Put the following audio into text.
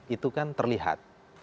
itu kan terlihat